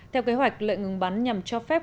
theo kế hoạch lệnh ngừng bắn nhằm cho phép